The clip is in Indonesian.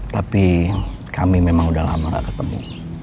tapi kami memang udah lama gak ketemu